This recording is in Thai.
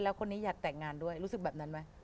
แล้วคนนี้อยากแต่งงานด้วยรู้สึกแบบนั้นไหม